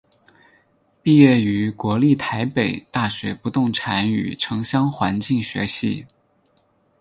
毕业于国立台北大学不动产与城乡环境学系。